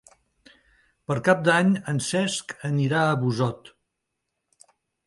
Per Cap d'Any en Cesc anirà a Busot.